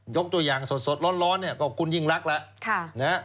ยกตัวอย่างสดร้อนเนี่ยก็คุณยิ่งรักแล้ว